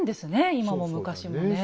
今も昔もねえ。